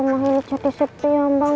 rumah ini jadi sepi ya mbak